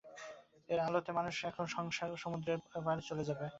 এঁর আলোতেই মানুষ এখন সংসার-সমুদ্রের পারে চলে যাবে।